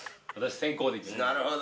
なるほど！